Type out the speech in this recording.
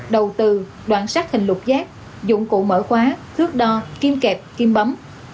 đầu tư đoạn sát hình lục giác dụng cụ mở khóa thước đo kim kẹp kim bấm